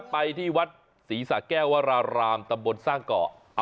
ไปที่วัดศรีสะแก้ววรารามตำบลสร้างเกาะ